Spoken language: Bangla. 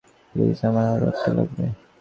প্লিজ, আমার আরও একটা লাগবে।